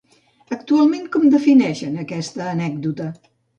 Actualment, com defineixen aquesta anècdota?